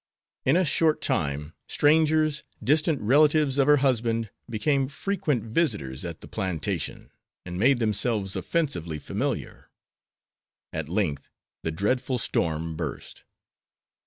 In a short time strangers, distant relatives of her husband, became frequent visitors at the plantation, and made themselves offensively familiar. At length the dreadful storm burst.